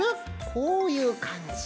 こういうかんじ。